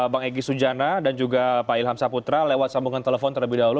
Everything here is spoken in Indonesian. bang egy sujana dan juga pak ilham saputra lewat sambungan telepon terlebih dahulu